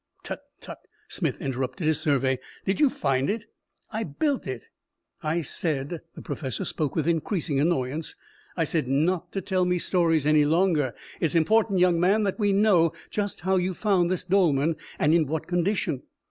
"Tut, tut." Smith interrupted his survey. "Did you find it?" "I built it." "I said" the professor spoke with increasing annoyance "I said not to tell me stories any longer. It's important, young man, that we know just how you found this dolmen and in what condition."